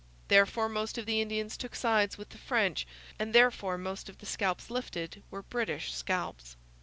Therefore most of the Indians took sides with the French; and therefore most of the scalps lifted were British scalps.